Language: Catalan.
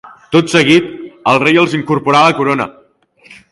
Tot seguit, el rei els incorporà a la corona.